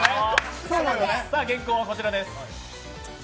さあ、原稿はこちらです。